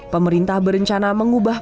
pemerintah berencana mengubah